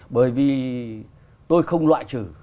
bởi vì tôi không loại trừ